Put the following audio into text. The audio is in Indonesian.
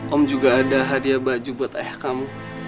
om juga ada hadiah baju buat ayah kamu